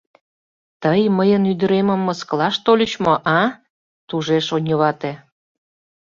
— Тый мыйын ӱдыремым мыскылаш тольыч мо, а? — тужеш оньывате.